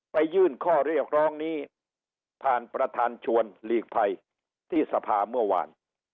ยื่นข้อเรียกร้องนี้ผ่านประธานชวนหลีกภัยที่สภาเมื่อวาน